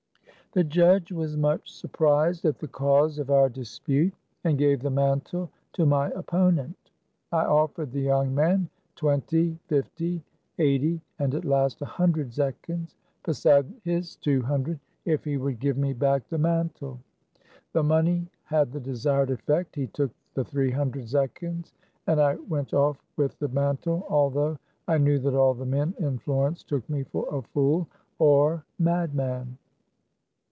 The judge was much surprised at the cause of our dispute, and gave the mantle to my opponent. I offered the young man twenty, fifty, eighty, and at last a hundred zechins, beside his two hun dred, if he would give me back the mantle. The money had the desired effect. He took the three hundred zechins, and I went off with the mantle, although I knew that all the men in Florence took me for a fool or madman.